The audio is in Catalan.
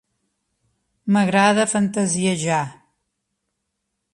M'agrada fantasiejar.